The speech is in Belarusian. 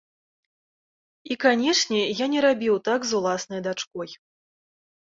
І, канечне, я не рабіў так з уласнай дачкой.